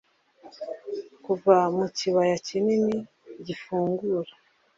Kuva mu kibaya kinini gifungura